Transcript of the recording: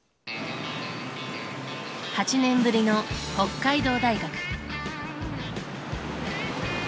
８年ぶりの北海道大学。